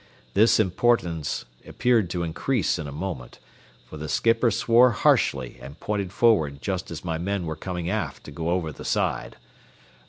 This importance appeared to increase in a moment, for the skipper swore harshly and pointed forward just as my men were coming aft to go over the side.